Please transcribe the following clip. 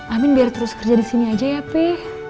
amin biar terus kerja disini aja ya pi